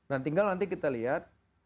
nah tinggal nanti kita lihat